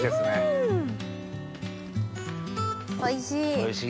おいしい！